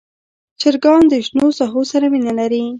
چرګان د شنو ساحو سره مینه لري.